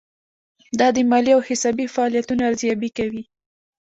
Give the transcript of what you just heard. دا د مالي او حسابي فعالیتونو ارزیابي کوي.